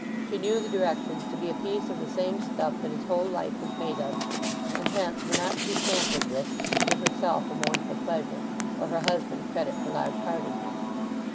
She knew the directions to be a piece of the same stuff that his whole life was made of, and hence were not to be tampered with to give herself a mournful pleasure, or her husband credit for large heartedness.